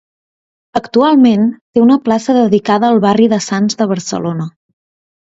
Actualment, té una plaça dedicada al barri de Sants de Barcelona.